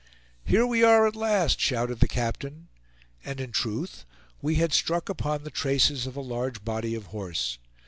"Here we are at last!" shouted the captain. And in truth we had struck upon the traces of a large body of horse.